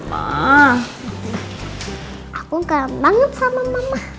mama aku kangen banget sama mama